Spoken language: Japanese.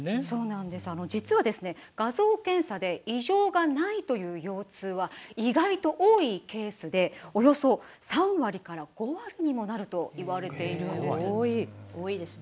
実は画像検査で異常がないといわれる腰痛は意外と多いケースでおよそ３割から５割にもなるといわれているんですよ。